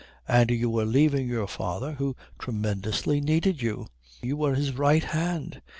And you were leaving your father who tremendously needed you. You were his right hand.